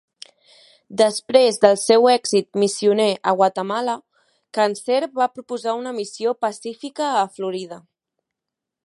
Després del seu èxit missioner a Guatemala, Cancer va proposar una missió pacífica a Florida.